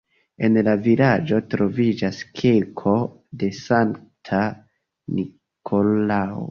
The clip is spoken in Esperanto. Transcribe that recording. En la vilaĝo troviĝas kirko de Sankta Nikolao.